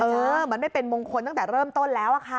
เออมันไม่เป็นมงคลตั้งแต่เริ่มต้นแล้วอะค่ะ